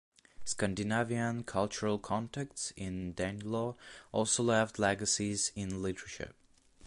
Scandinavian cultural contacts in the Danelaw also left legacies in literature.